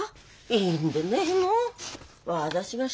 いいんでねえの？